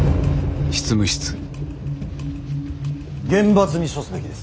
厳罰に処すべきです。